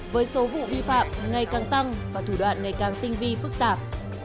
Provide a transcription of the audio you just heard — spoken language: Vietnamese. với số vụ vi phạm ngày càng tăng và thủ đoạn ngày càng tinh vi phức tạp